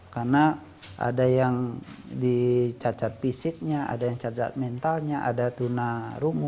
karena ada yang dicat cat fisiknya ada yang cat cat mentalnya ada tunarumnya